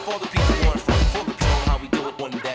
บอลลีลามกูฏร